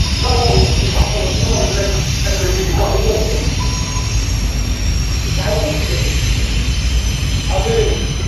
জানি না, বাছা সেখানে কী করিয়া থাকে, একবার আমাকে দেখিতেও দেয় না।